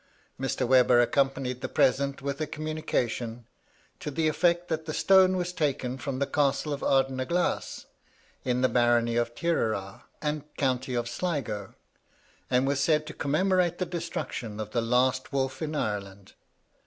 Mr. Webber accompanied the present with a communication, to the effect that the stone was taken from the castle of Ardnaglass, in the barony of Tireragh, and county of Sligo, and was said to commemorate the destruction of the last wolf in Ireland.